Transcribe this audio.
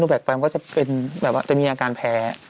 ถ้าชีดตัวชิโนไฟกซ์ไปก็จะมีอาการแพ้